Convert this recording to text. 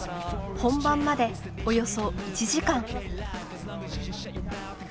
本番までおよそ１時間。